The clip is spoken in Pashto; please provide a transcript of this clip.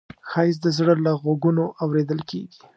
ښایست د زړه له غوږونو اورېدل کېږي